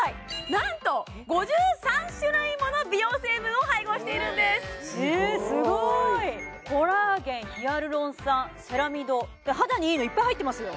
なんと５３種類もの美容成分を配合しているんですすごいコラーゲンヒアルロン酸セラミドって肌にいいのいっぱい入ってますよ